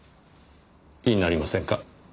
気になりませんか？